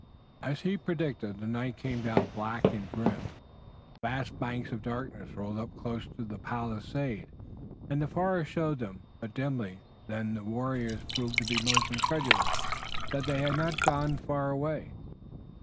As he predicted, the night came down black and grim. Vast banks of darkness rolled up close to the palisade, and the forest showed but dimly. Then the warriors proved to the most incredulous that they had not gone far away.